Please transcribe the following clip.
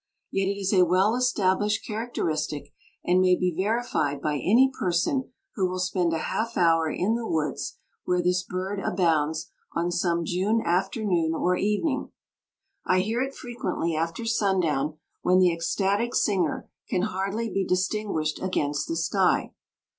Yet it is a well established characteristic, and may be verified by any person who will spend a half hour in the woods where this bird abounds on some June afternoon or evening. I hear it frequently after sundown when the ecstatic singer can hardly be distinguished against the sky.